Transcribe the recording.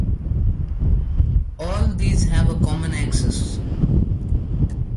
All these have a common axis.